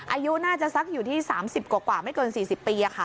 อายุน่าจะสักอยู่ที่๓๐กว่าไม่เกิน๔๐ปีค่ะ